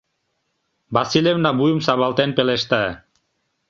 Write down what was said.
— Васильевна вуйым савалтен пелешта.